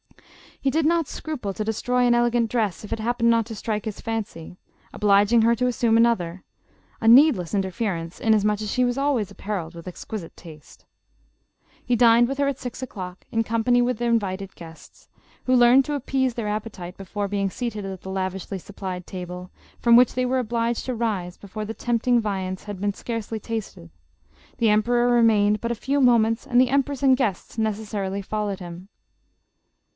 He did not scruple to de stroy an elegant dress, if it happened not to strike his fancy, obliging her to assume another — a needless in terference, inasmuch as she was always appareled with exquisite taste. He dined with her at six o'clock, in company with invited guests, who learned to appease their appetite before being seated at the lavishly supplied table, from which they were obliged to rise before the tempting viands had been scarcely tasted ; the emperor remained but a few moments and the empress and guests neces sarily followed him.